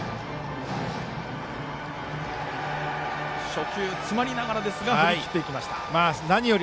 初球、詰まりながらですが振り切っていきました。